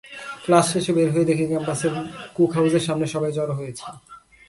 Class শেষে বের হয়ে দেখি ক্যাম্পাসের কুক হাউসের সামনে সবাই জড়ো হয়েছে।